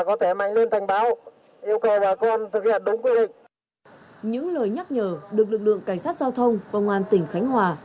công an tỉnh khánh hòa đã nhờ được lực lượng cảnh sát giao thông và ngoan tỉnh khánh hòa